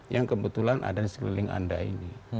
yang kebetulan ada di sekeliling anda ini